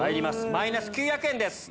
マイナス９００円です。